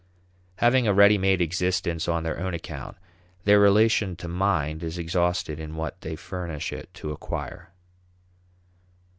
Having a ready made existence on their own account, their relation to mind is exhausted in what they furnish it to acquire.